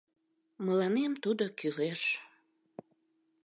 Мыланем тудо кӱлеш.